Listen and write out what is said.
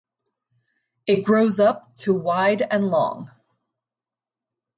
It grows up to wide and long.